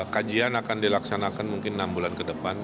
kajian akan dilaksanakan mungkin enam bulan ke depan